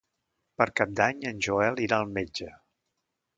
Per Cap d'Any en Joel irà al metge.